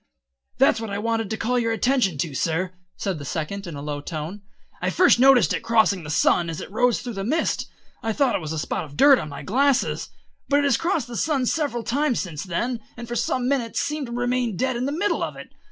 "That's what I wanted to call your attention to, sir," said the Second in a low tone. "I first noticed it crossing the sun as it rose through the mist. I thought it was a spot of dirt on my glasses, but it has crossed the sun several times since then, and for some minutes seemed to remain dead in the middle of it.